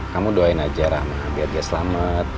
kamu doain aja rama biar dia selamat